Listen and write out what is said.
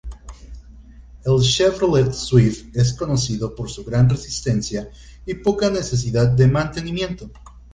El Chevrolet Swift es conocido por su gran resistencia y poca necesidad de mantenimiento.